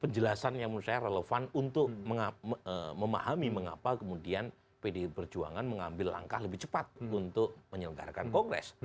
penjelasan yang menurut saya relevan untuk memahami mengapa kemudian pdi perjuangan mengambil langkah lebih cepat untuk menyelenggarakan kongres